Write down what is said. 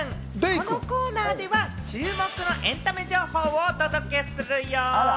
このコーナーでは注目のエンタメ情報をお届けするよ！